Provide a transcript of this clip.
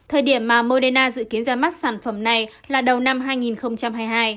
thời điểm mà moderna dự kiến ra mắt sản phẩm này là đầu năm hai nghìn hai mươi hai